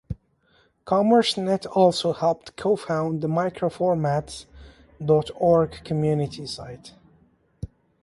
CommerceNet also helped co-found the Microformats dot org community site.